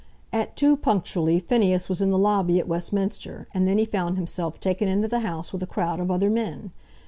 At two punctually Phineas was in the lobby at Westminster, and then he found himself taken into the House with a crowd of other men.